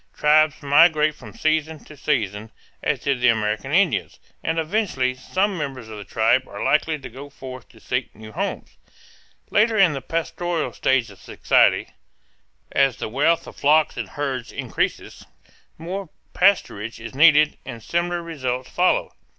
Tribes migrate from season to season, as did the American Indians, and eventually some members of the tribe are likely to go forth to seek new homes. Later in the pastoral stage of society, as the wealth of flocks and herds increases, more pasturage is needed and similar results follow.